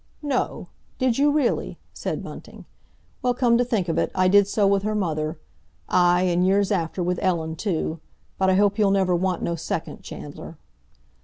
"No! Did you really?" said Bunting. "Well, come to think of it, I did so with her mother; aye, and years after, with Ellen, too. But I hope you'll never want no second, Chandler."